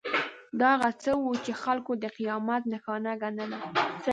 دا هغه څه وو چې خلکو د قیامت نښانه ګڼله.